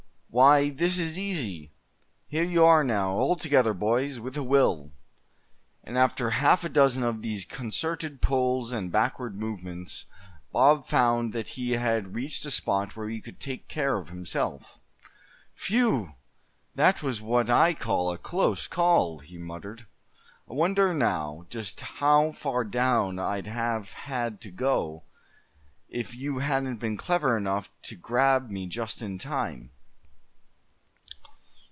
Why, this is easy. Here you are now, altogether boys, with a will!" And after half a dozen of these concerted pulls and backward movements, Bob found that he had reached a spot where he could take care of himself. "Whew! that was what I call a close call!" he muttered. "I wonder, now, just how far down I'd have had to go, if you hadn't been clever enough to grab me just in time?"